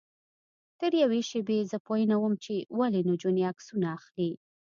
تر یوې شېبې زه پوی نه وم چې ولې نجونې عکسونه اخلي.